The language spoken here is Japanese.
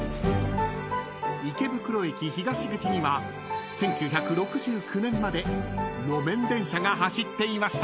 ［池袋駅東口には１９６９年まで路面電車が走っていました］